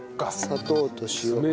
砂糖と塩。